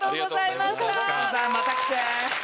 また来て。